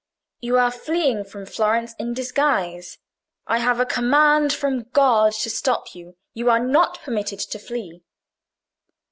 "You are fleeing from Florence in disguise. I have a command from God to stop you. You are not permitted to flee."